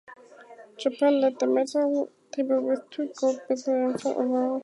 Japan led the medal table with two gold medals, and four overall.